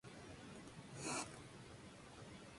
Se localiza en Fráncfort del Meno, Alemania.